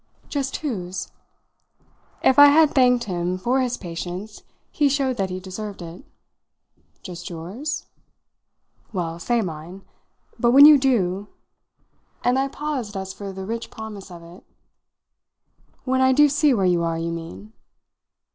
"Just whose?" If I had thanked him for his patience he showed that he deserved it. "Just yours?" "Well, say mine. But when you do !" And I paused as for the rich promise of it. "When I do see where you are, you mean?"